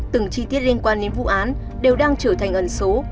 từng chi tiết liên quan đến vụ án đều đang trở thành ẩn số